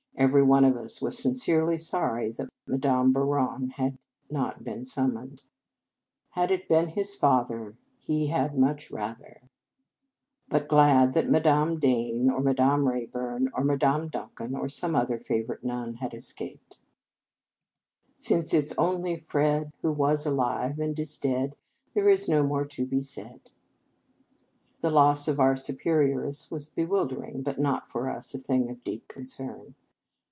Every one of us was sincerely sorry that Madame Bouron had not been summoned, * Had it been his father, We had much rather ;" but glad that Madame Dane, or Ma dame Rayburn, or Madame Duncan, or some other favourite nun had escaped, 212 Reverend Mother s Feast 44 Since it s only Fred Who was alive, and is dead, There is no more to be said." The loss of our Superioress was be wildering, but not, for us, a thing of deep concern.